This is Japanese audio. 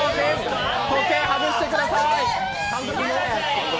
時計外してください。